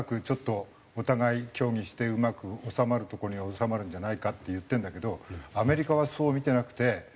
ちょっとお互い協議してうまく収まるところに収まるんじゃないかって言ってるんだけどアメリカはそう見てなくて。